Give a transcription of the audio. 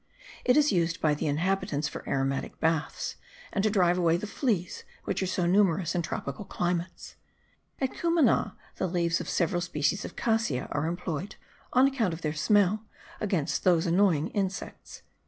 It is used by the inhabitants for aromatic baths, and to drive away the fleas which are so numerous in tropical climates. At Cumana the leaves of several species of cassia are employed, on account of their smell, against those annoying insects.)